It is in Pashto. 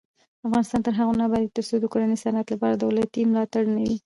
افغانستان تر هغو نه ابادیږي، ترڅو د کورني صنعت لپاره دولتي ملاتړ نه وي.